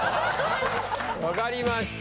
わかりました。